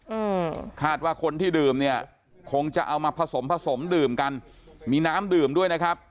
อืมคาดว่าคนที่ดื่มเนี่ยคงจะเอามาผสมผสมดื่มกันมีน้ำดื่มด้วยนะครับ